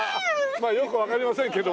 まあよくわかりませんけど。